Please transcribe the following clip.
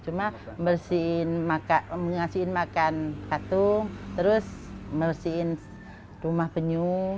cuma membersihin mengasihin makan satu terus membersihin rumah penyu